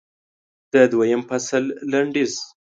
د دویم فصل لنډیز